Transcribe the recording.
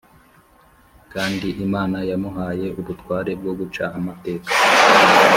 Kandi Imana “yamuhaye ubutware bwo guca amateka,